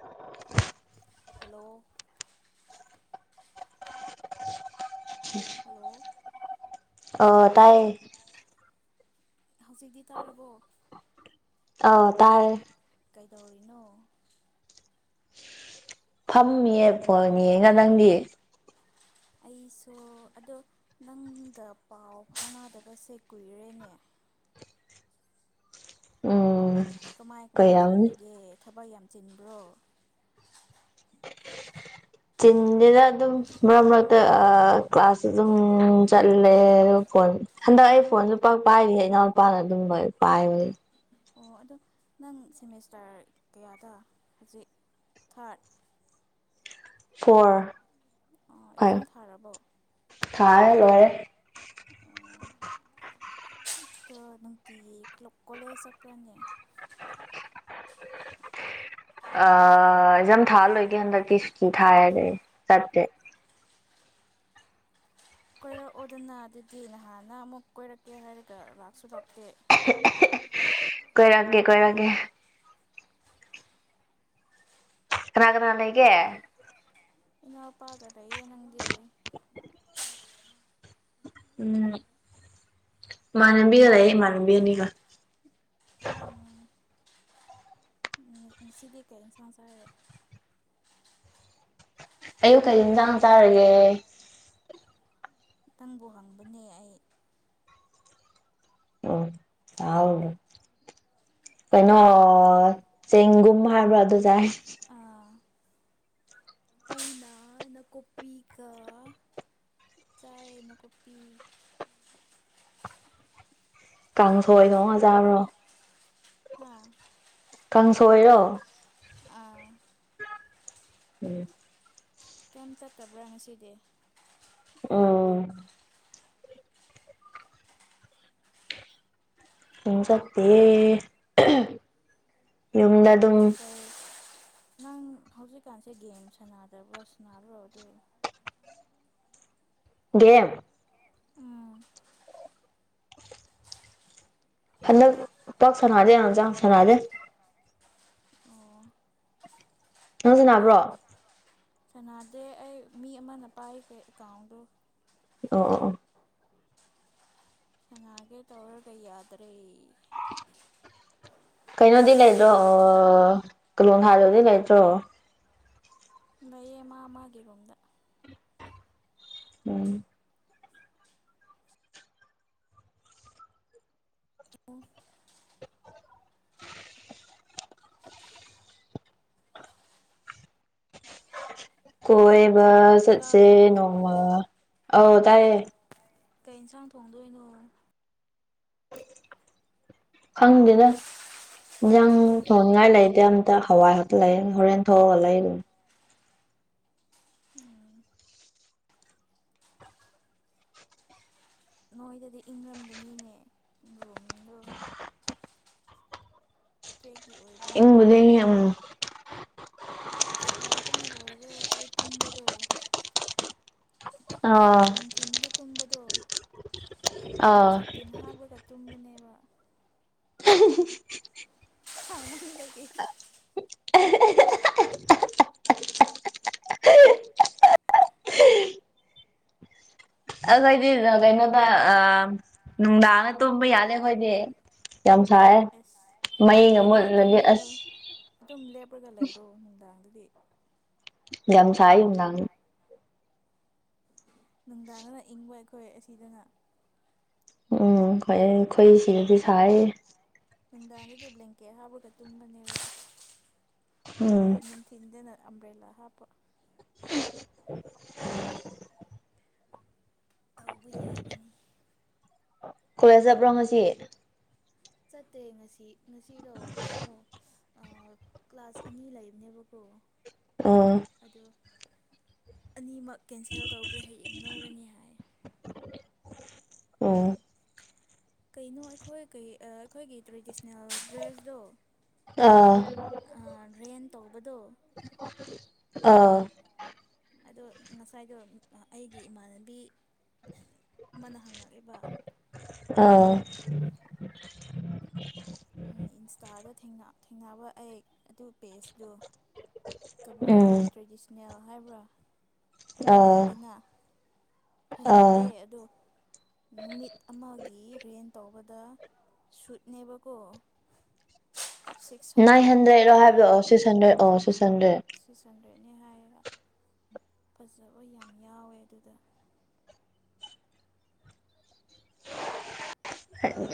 [unintelligible] Hello hello [unintelligible] ꯑ ꯇꯥꯏꯌꯦ ꯍꯧꯖꯤꯛꯇꯤ ꯇꯥꯔꯕꯣ ꯑ ꯇꯥꯔꯦ꯫ ꯀꯩꯗꯧꯔꯤꯅꯣ ꯐꯝꯃꯤꯌꯦ ꯐꯣꯟ ꯌꯦꯡꯉ ꯅꯪꯗꯤ ꯑꯩꯁꯨ ꯑꯗꯣ ꯅꯪꯒ ꯄꯥꯎ ꯐꯥꯎꯅꯗꯕꯁꯦ ꯀꯨꯏꯔꯦꯅꯦ ꯎꯝ ꯀꯃꯥꯏ ꯀꯃꯥꯏ ꯀꯩꯔꯝꯅꯤ ꯇꯧꯔꯤꯒꯦ ꯊꯕꯛ ꯌꯥꯝ ꯆꯤꯟꯕ꯭ꯔꯣ ꯆꯤꯟꯗꯦꯗ ꯑꯗꯨꯝ ꯃꯔꯛ ꯃꯔꯛꯇ ꯀ꯭ꯂꯥꯁ ꯑꯗꯨꯝ ꯆꯠꯂꯦ ꯐꯣꯟ ꯍꯟꯗꯛ ꯑꯩ ꯐꯣꯟꯖꯨ ꯄꯥꯛ ꯄꯥꯏꯗꯦ ꯏꯅꯥꯎ ꯄꯥꯅ ꯑꯗꯨꯝꯕ ꯄꯥꯏꯕꯅꯦ ꯑꯣ ꯑꯗꯣ ꯅꯪ ꯁꯦꯃꯤꯁꯇꯔ ꯀꯌꯥꯗ ꯍꯧꯖꯤꯛ ꯊꯥꯔꯠ ꯐꯣꯔ ꯑꯣ ꯍꯣꯏ ꯑꯦꯛꯖꯥꯝ ꯊꯥꯔꯕꯣ ꯊꯥꯔꯦ ꯂꯣꯏꯔꯦ ꯗꯣ ꯅꯨꯡꯇꯤꯒꯤ ꯀꯣꯂꯦꯖ ꯆꯠꯄ꯭ꯔꯅꯦ ꯑ ꯑꯦꯛꯖꯥꯝ ꯊꯥ ꯂꯣꯏꯒꯦ ꯍꯟꯗꯛꯇꯤ ꯁꯨꯇꯤ ꯊꯥꯏ ꯑꯗꯨꯏ ꯆꯠꯇꯦ ꯀꯣꯏꯔꯛꯑꯣꯗꯅ ꯑꯗꯨꯗꯤ ꯅꯍꯥꯟꯅ ꯑꯃꯨꯛ ꯀꯣꯏꯔꯛꯀꯦ ꯍꯥꯏꯔꯒ ꯂꯥꯛꯁꯨ ꯂꯥꯛꯇꯦ ꯀꯣꯏꯔꯛꯀꯦ ꯀꯣꯢꯔꯛꯀꯦ ꯀꯅꯥ ꯀꯅꯥ ꯂꯩꯒꯦ ꯏꯅꯥꯎ ꯄꯥꯒ ꯂꯩꯌꯦ ꯅꯪꯗꯤ ꯎꯝ ꯃꯥꯟꯅꯕꯤꯒ ꯂꯩꯌꯦ ꯏꯃꯥꯅꯕꯤ ꯑꯅꯤꯒ ꯑꯣ ꯉꯥꯁꯤꯗꯤ ꯀꯩ ꯏꯟꯁꯥꯡ ꯆꯥꯔꯦ ꯑꯌꯨꯛ ꯀꯩ ꯏꯟꯖꯥꯡ ꯆꯥꯔꯒꯦ ꯈꯤꯇꯪꯕꯨ ꯍꯪꯕꯅꯦ ꯑꯩ ꯎꯪ ꯑꯥꯎ ꯀꯩꯅꯣ ꯆꯦꯡꯒꯨꯝ ꯍꯥꯏꯕ꯭ꯔꯥ ꯑꯗꯨ ꯆꯥꯏ ꯑꯥ ꯑꯩꯅ ꯅꯥꯀꯨꯞꯄꯤꯒ ꯆꯥꯏ ꯅꯥꯀꯨꯞꯄꯤ ꯀꯥꯡꯁꯣꯏ ꯗꯣꯡꯉꯖꯥꯕ꯭ꯔꯣ ꯍꯥ ꯀꯥꯡꯁꯣꯏꯔꯣ ꯑ ꯎꯝ ꯀꯌꯝ ꯆꯠꯇꯕ꯭ꯔꯥ ꯉꯁꯤꯗꯤ ꯎꯝ ꯎꯪ ꯆꯠꯇꯦꯌꯦ ꯑꯍ ꯌꯨꯝꯗ ꯑꯗꯨꯝ ꯀꯩ ꯅꯪ ꯍꯧꯖꯤꯛꯀꯥꯟꯁꯦ ꯒꯦꯝ ꯁꯥꯟꯅꯗ꯭ꯔꯕ꯭ꯔꯥ ꯁꯥꯟꯅꯕ꯭ꯔꯣ ꯑꯗꯨ ꯒꯦꯝ ꯎꯝ ꯍꯟꯗꯛ ꯄꯥꯛ ꯁꯅꯗꯦ ꯌꯥꯝ ꯖꯥꯡ ꯁꯅꯥꯗꯦ ꯑꯣ ꯅꯪ ꯁꯅꯥꯕ꯭ꯔꯣ ꯁꯅꯥꯗꯦ ꯑꯩ ꯃꯤ ꯑꯃꯅ ꯄꯥꯏꯈꯔꯦ ꯑꯦꯀꯥꯎꯟꯗꯣ ꯑꯣ ꯑꯣ ꯑꯣ ꯁꯅꯥꯒꯦ ꯇꯧꯔꯒ ꯌꯗꯔꯦ ꯀꯩꯅꯣꯗꯤ ꯂꯩꯗꯣ ꯑꯣ ꯀꯂꯣꯡ ꯍꯥꯔꯗꯨꯗꯤ ꯂꯩꯇ꯭ꯔꯣ ꯃꯌꯦ ꯃꯥ ꯃꯥꯒꯤ ꯔꯨꯝꯗ ꯎꯝ ꯑꯣ ꯀꯣꯏ ꯒ ꯆꯠꯁꯦ ꯇꯥꯕ꯭ꯔꯣ ꯅꯣꯡꯃ ꯑꯥꯎ ꯇꯥꯏꯌꯦ ꯀꯩ ꯏꯟꯁꯥꯡ ꯊꯣꯡꯗꯣꯏꯅꯣ ꯈꯪꯗꯦꯗ ꯏꯟꯖꯥꯡ ꯊꯣꯡꯅꯤꯡꯉꯥꯏ ꯂꯩꯗꯦ ꯑꯝꯇ ꯍꯋꯥꯏ ꯈꯛꯇ ꯂꯩ ꯍꯣꯔꯦꯟ ꯊꯣꯛꯑꯒ ꯂꯩꯔꯨꯝ ꯅꯣꯏꯗꯗꯤ ꯏꯪꯔꯝꯒꯅꯤꯅꯦ ꯔꯣꯝꯗ ꯀꯦꯏ ꯏꯪꯕꯨꯗꯩ ꯌꯎꯝ ꯁꯥꯕꯅ ꯂꯣꯏꯔꯦ ꯑꯩ ꯇꯨꯝꯕꯗꯣ ꯑꯥ ꯅꯨꯡꯊꯤꯟꯗ ꯇꯨꯝꯕ ꯇꯣ ꯑꯥ ꯁꯇꯤꯟ ꯍꯥꯞꯔꯒ ꯇꯨꯝꯕꯅꯦ [inaudible] [unintelligible] ꯍꯃ ꯍꯥꯡꯍꯒꯦ ꯑꯈꯣꯏꯗꯤ ꯔ ꯀꯩꯅꯣꯗ ꯑ ꯅꯨꯡꯗꯥꯡꯗ ꯇꯨꯝꯕ ꯌꯥꯂꯦ ꯑꯩꯈꯣꯏꯗꯤ ꯌꯥꯝ ꯁꯥꯏꯌꯦ ꯑꯦꯁ ꯃꯩꯒ ꯅꯨꯡꯗꯥꯡꯗꯗꯤ ꯃꯨꯠꯂꯗꯤ ꯇꯨꯝꯒꯅꯨ ꯑꯁ ꯇꯨꯝ ꯂꯦꯞꯄꯒ ꯂꯩꯔꯣ ꯅꯨꯡꯗꯥꯡꯗ ꯗꯤ ꯂꯝ ꯁꯥꯏꯌꯦ ꯅꯨꯡꯗꯥꯡ ꯅꯨꯡꯗꯥꯡꯗꯅ ꯏꯪꯕ ꯑꯩꯈꯣꯏ ꯑꯁꯤꯗꯅ ꯎꯝ ꯈꯣꯑꯦ ꯑꯩꯈꯣꯏ ꯁꯤꯗꯗꯤ ꯁ ꯅꯨꯡꯗꯥꯡꯗꯗꯤ [unintelligible] ꯑꯗꯨ ꯎꯝ ꯅꯨꯡꯊꯤꯟꯗꯅ ꯑꯝꯕ꯭ꯔꯦꯂꯥ ꯍꯥꯞꯄ [unintelligible] ꯇꯧꯕ ꯌꯥꯕꯅꯤ ꯀꯣꯂꯦꯖ ꯆꯠꯄ꯭ꯔꯣ ꯉꯁꯤ ꯆꯠꯇꯦ ꯉꯁꯤ ꯉꯁꯤꯗꯣ ꯀꯩꯅꯣ ꯀ꯭ꯂꯥꯁ ꯑꯅꯤ ꯂꯩꯕꯅꯦꯕꯀꯣ ꯑ ꯑꯅꯤ ꯃꯛ ꯀꯦꯟꯁꯦꯜ ꯇꯧꯈ꯭ꯔꯦ ꯍꯌꯦꯡ ꯂꯧꯔꯅꯤ ꯍꯥꯏ ꯑꯣ ꯀꯩꯅꯣ ꯑꯩꯈꯣꯏ ꯀꯩ ꯑꯩꯈꯣꯏꯒꯤ ꯇ꯭ꯔꯦꯗꯤꯁ ꯗ꯭ꯔꯦꯁꯗꯣ ꯑꯥ ꯑ ꯔꯦꯟ ꯕꯗꯣ ꯑꯥ ꯑꯗꯣ ꯉꯁꯥꯏꯗꯣ ꯑꯩꯒꯤ ꯏꯃꯥꯟꯅꯕꯤ ꯃꯅ ꯍꯪꯉꯛ ꯑꯦꯕ ꯑꯥ ꯎꯝ ꯏꯟ꯭ꯁꯇꯥꯗ ꯊꯦꯡꯅ ꯊꯦꯡꯅꯕ ꯑꯩ ꯑꯗꯨ ꯄꯦꯖꯇꯨ ꯀꯕꯨꯏ ꯎꯝ ꯇ꯭ꯔꯦꯗꯤꯁ꯭ꯅꯦꯜ ꯍꯥꯏꯕ꯭ꯔꯥ ꯑꯃ ꯑꯥ ꯂꯩꯗꯅ ꯑꯥ ꯐꯖꯩꯌꯦ ꯑꯗꯣ ꯅꯨꯃꯤꯠ ꯑꯃ ꯒꯤ ꯔꯦꯟ ꯇꯧꯕꯗ ꯁꯨꯠꯅꯦꯕꯀꯣ ꯁꯤꯛꯁ ꯅꯥꯏꯟ ꯍꯟꯗ꯭ꯔꯦꯠꯅꯤ ꯍꯟꯗ꯭ꯔꯦꯠ ꯍꯥꯏꯌꯦ ꯍꯥꯏꯕ꯭ꯔꯣ ꯑꯣ ꯁꯤꯛ꯭ꯁ ꯍꯟꯗ꯭ꯔꯦꯠ ꯑ ꯁꯤꯛ꯭ꯁ ꯍꯟꯗ꯭ꯔꯦꯠ ꯍꯥꯏꯌꯦꯕ ꯐꯖꯕ ꯌꯥꯝ ꯌꯥꯎꯋꯦ ꯑꯗꯨꯗ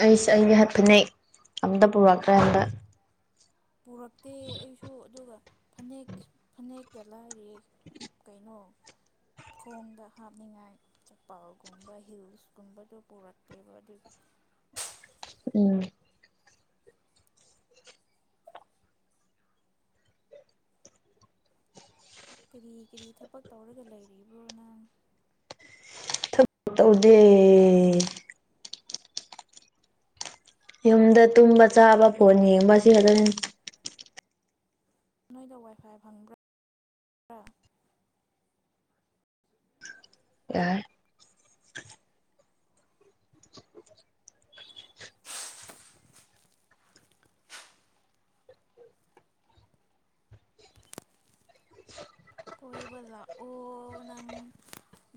ꯑꯩꯁ ꯑꯩꯒꯤ ꯍꯞꯅꯤꯡꯉꯦ ꯑꯝꯇ ꯄꯨꯔꯛꯀꯥꯟꯗ ꯄꯨꯔꯛꯇꯦ ꯑꯩꯁꯨ ꯑꯗꯨꯒ ꯐꯅꯦꯛ ꯐꯅꯦꯛꯇ ꯂꯥꯏꯔꯤ ꯀꯩꯅꯣ ꯈꯣꯡꯗ ꯍꯥꯞꯅꯤꯡꯉꯥꯏ ꯆꯥꯛꯄꯥꯜꯒꯨꯝꯕ ꯍꯤꯜ꯭ꯁꯀꯨꯝꯕꯗꯣ ꯄꯨꯔꯛꯇꯦꯕ ꯑꯗꯨꯒꯤ ꯎꯝ ꯀꯔꯤ ꯀꯔꯤ ꯊꯕꯛ ꯇꯧꯔꯒ ꯂꯩꯔꯤꯕꯣ ꯅꯪ ꯑꯣꯗꯤ ꯌꯨꯝꯗ ꯇꯨꯝꯕ ꯆꯥꯕ ꯐꯣꯟ ꯌꯦꯡꯕ ꯑꯁꯤ ꯈꯖꯅꯤ ꯅꯣꯏꯗ ꯋꯥꯏꯐꯥꯏ ꯐꯪꯕ꯭ꯔꯥ꯭ꯔ ꯌꯥ ꯀꯣꯏꯕ ꯂꯥꯛꯑꯣ ꯅꯪ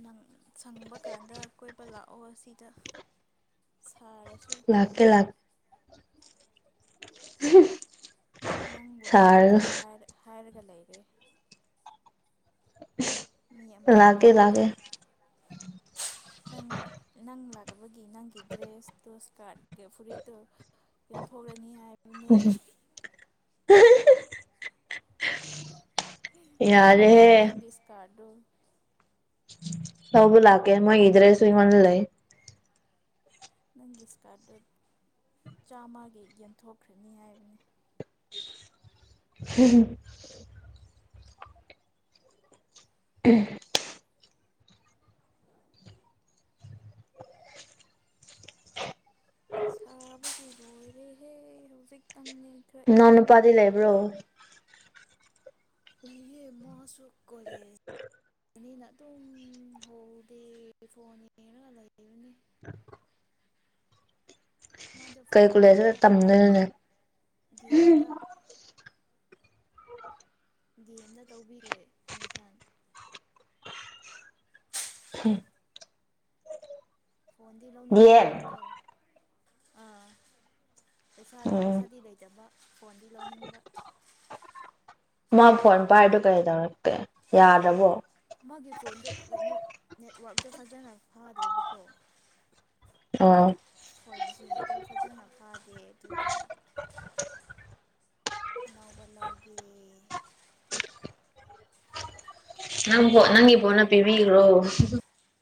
ꯅꯪ ꯁꯪꯕ ꯀꯥꯟꯗ ꯀꯣꯏꯕ ꯂꯥꯛꯑꯣ ꯁꯤꯗ ꯁꯥꯔꯁꯤ ꯂꯥꯛꯀꯦ ꯂꯥꯛꯦ ꯁꯥꯔꯒ ꯅꯪꯕꯨꯜꯇ꯭ꯔꯦ ꯍꯔ ꯍꯔ ꯆꯂꯥꯏꯔꯦ ꯑꯃꯅ ꯂꯒꯦ ꯂꯒꯦ ꯅꯪ ꯅꯪ ꯂꯥꯛꯅꯕꯒꯤ ꯅꯪꯒꯤ ꯗ꯭ꯔꯦꯁꯇꯨ ꯏꯁꯀꯥꯔꯠ ꯐꯨꯔꯤꯠꯇꯨ ꯌꯣꯟꯊꯣꯛꯔꯅꯤ ꯍꯥꯏ ꯎꯝꯨꯝ ꯄꯃꯨ ꯌꯥꯔꯦꯍꯦ ꯣꯔꯟꯗꯤꯁ ꯀꯥꯔꯗꯣ ꯁ ꯂꯥꯛꯀꯦ ꯃꯣꯏꯗ꯭ꯔꯦꯁꯨꯏꯅ ꯂꯩꯦ ꯅꯪꯒꯤ ꯏꯁꯀꯥꯔꯠꯇꯣ ꯆꯥꯝꯃꯒꯤ ꯌꯦꯟꯊꯣꯛꯈ꯭ꯔꯅꯤ ꯍꯥꯏꯕꯅꯦ ꯍꯝ ꯎꯝ ꯁꯥꯕꯗꯤ ꯂꯣꯏꯔꯦꯍꯦ ꯍꯧꯖꯤꯛ ꯇꯝꯅꯊꯏ ꯅꯅꯨꯄꯥꯇ ꯂꯩꯦꯕ꯭ꯔꯣ ꯂꯩꯌꯦ ꯃꯥꯁꯨ ꯀꯣꯂꯦꯖ ꯂꯩꯅꯤꯅ ꯑꯗꯨꯝ ꯍꯗꯦ ꯐꯣꯟ ꯌꯦꯡꯔꯒ ꯂꯩꯔꯨꯅꯤ ꯀꯩ ꯀꯨ ꯂꯩꯁꯦ ꯇꯝꯗꯅꯦ ꯗꯤ ꯑꯦꯝꯗ ꯗꯤ ꯑꯦꯝꯗ ꯇꯧꯕꯤꯈ꯭ꯔꯦ ꯑꯦꯠꯃꯤꯁꯟ ꯐꯣꯟꯗꯤ ꯗꯤ ꯂꯧꯅꯤꯡꯕ ꯑꯦꯝ ꯃꯥꯗꯣ ꯑꯥ ꯄꯩꯁꯥ ꯎꯝ ꯄꯩꯁꯥꯗꯤ ꯂꯩ ꯆꯕ ꯐꯣꯟꯗꯤ ꯂꯧꯅꯤꯡꯕ ꯃꯥ ꯐꯣꯟ ꯄꯥꯏꯗꯨꯣ ꯀꯩ ꯇꯧꯔꯛꯀꯦ ꯌꯥꯗ꯭ꯔꯕꯣ ꯃꯥꯒꯤ ꯐꯣꯟꯗꯣ ꯀꯩꯅꯣ ꯅꯦꯠꯋꯔꯇꯣ ꯐꯖꯅ ꯐꯥꯔꯦꯕꯀꯣ ꯑꯥ ꯐꯖꯅ ꯐꯥꯗꯦ ꯑꯗꯨꯒꯤ ꯑꯅꯧꯕ ꯂꯧꯒꯦ ꯅꯪ ꯅꯪꯒꯤ ꯐꯅ ꯄꯤꯕꯤꯈ꯭ꯔꯣ